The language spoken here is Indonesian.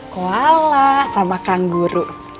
koala sama kangguru